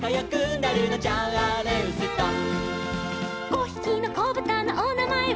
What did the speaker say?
「５ひきのこぶたのおなまえは」